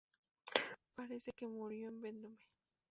Parece que murió en Vendôme.